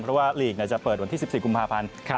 เพราะว่าลีกจะเปิดวันที่๑๔กุมภาพันธ์